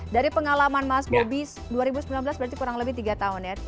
dari pengalaman mas bobi dua ribu sembilan belas berarti kurang lebih tiga tahun ya